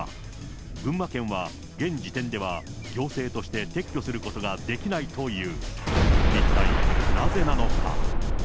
群馬県は現時点では行政として撤去することができないという。